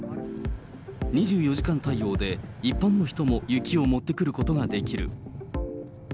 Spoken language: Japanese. ２４時間対応で一般の人も雪を持ってくることができる。